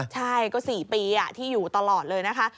ใช่เกือบ๔ปีที่อยู่ตลอดเลย